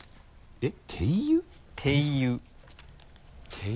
えっ！